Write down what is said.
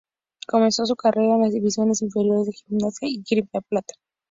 Comenzó su carrera en las divisiones inferiores de Gimnasia y Esgrima La Plata.